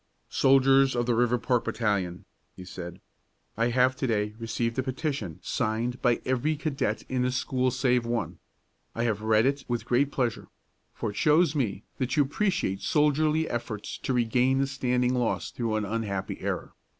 "Soldiers of the Riverpark battalion," he said, "I have to day received a petition signed by every cadet in the school save one. I have read it with great pleasure; for it shows me that you appreciate soldierly efforts to regain the standing lost through an unhappy error.